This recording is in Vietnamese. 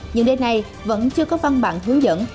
nhưng đây này vẫn chưa có văn bản hướng dẫn